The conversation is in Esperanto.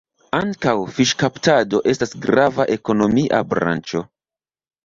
Ankaŭ la fiŝkaptado estas grava ekonomia branĉo.